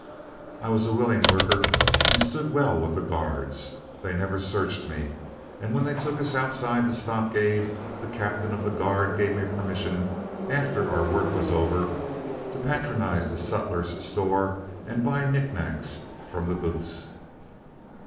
"I was a willing worker and stood well with the guards. They never searched me, and when they took us outside the stockade, the captain of the guard gave me permission, after our work was over, to patronize the sutler's store and buy knick knacks from the booths.